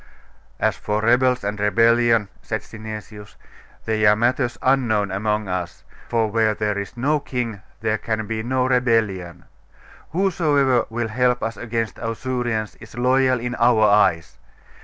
'As for rebels and rebellion,' said Synesius, 'they are matters unknown among as; for where there is no king there can be no rebellion. Whosoever will help us against Ausurians is loyal in our eyes.